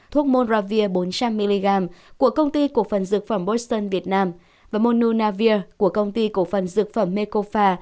thuốc moravir bốn trăm linh mg của công ty cổ phần dược phẩm bosson việt nam và monunavir của công ty cổ phần dược phẩm mekofa